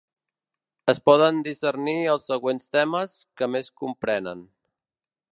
Es poden discernir els següents temes que més comprenen.